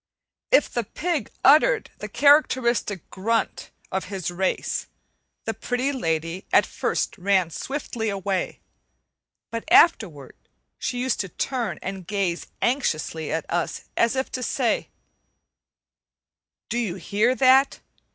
If the pig uttered the characteristic grunt of his race, the Pretty Lady at first ran swiftly away; but afterward she used to turn and gaze anxiously at us, as if to say: "Do you hear that?